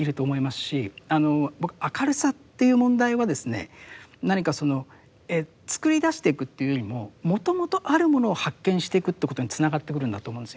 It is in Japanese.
僕明るさっていう問題はですね何か作り出していくっていうよりももともとあるものを発見していくということにつながってくるんだと思うんですよ。